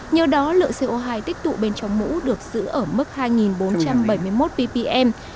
nhờ đó lượng co hai tích tụ bên trong mũ được giữ ở mức hai bốn trăm bảy mươi một ppm